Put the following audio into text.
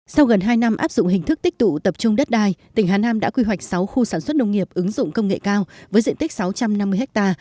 sau gần hai năm áp dụng hình thức tích tụ tập trung đất đai tỉnh hà nam đã quy hoạch sáu khu sản xuất nông nghiệp ứng dụng công nghệ cao với diện tích sáu trăm năm mươi ha